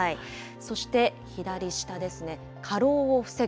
そして、左下ですね、過労を防ぐ。